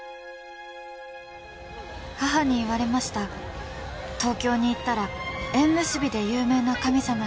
母に言われました「東京に行ったら縁結びで有名な神様に」